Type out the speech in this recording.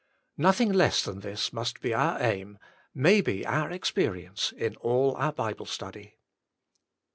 Nothing less than this must be our aim, may be our experience, in all our Bible study.